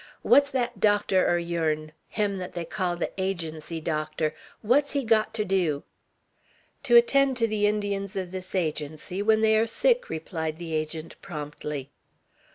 What's thet docter er yourn, him thet they call the Agency doctor, what's he got ter do?" "To attend to the Indians of this Agency when they are sick," replied the Agent, promptly.